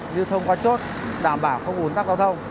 lưu thông qua chốt đảm bảo không ủn tắc giao thông